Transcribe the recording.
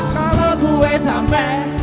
kalau gue sampai